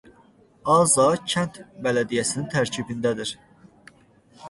Aza kənd bələdiyyəsinin tərkibindədir.